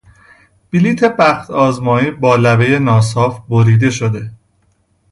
بلیط بخت آزمایی با لبهی ناصاف بریده شده